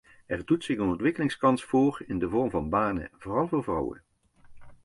Er doet zich een ontwikkelingskans voor in de vorm van banen, vooral voor vrouwen.